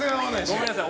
ごめんなさい。